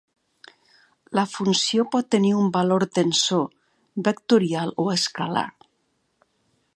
La funció pot tenir un valor tensor, vectorial o escalar.